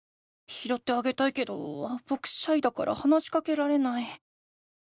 ひろってあげたいけどぼくシャイだから話しかけられない。